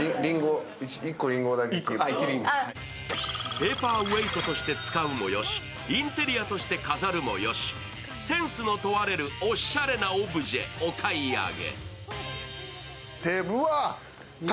ペーパーウェイトとして使うもよし、インテリアとして飾るもよし、センスの問われるおしゃれなオブジェお買い上げ。